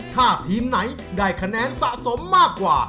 ถ้าทีมไหนได้คะแนนสะสมมากกว่า